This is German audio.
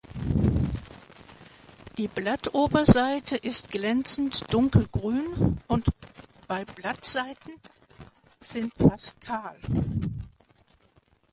Die Blattoberseite ist glänzend dunkelgrün und bei Blattseiten sind fast kahl.